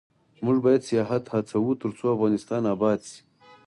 موږ باید سیاحت هڅوو ، ترڅو افغانستان اباد شي.